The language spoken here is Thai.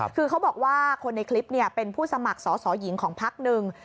คือเขาบอกว่าคนในคลิปเป็นผู้สมัครสอสอหญิงของพักหนึ่ง